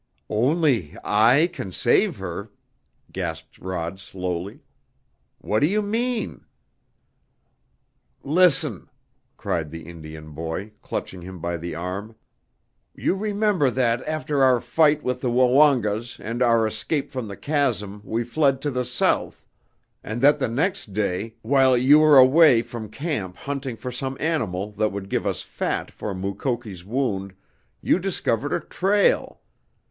"Only I can save her?" gasped Rod slowly. "What do you mean?" "Listen!" cried the Indian boy, clutching him by the arm. "You remember that after our fight with the Woongas and our escape from the chasm we fled to the south, and that the next day, while you were away from camp hunting for some animal that would give us fat for Mukoki's wound, you discovered a trail.